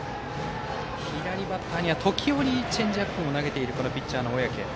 左バッターには時折チェンジアップも投げているピッチャーの小宅。